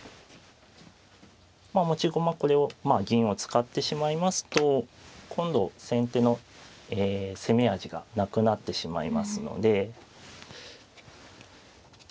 まあ持ち駒これを銀を使ってしまいますと今度先手の攻め味がなくなってしまいますので。